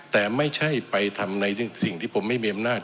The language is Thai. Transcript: แต่ไม่ใช่ไปทำในสิ่งที่ผมไม่มีอำนาจ